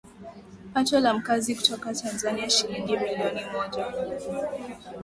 pato la Mkazi kutoka Tanzania shilingi milioni moja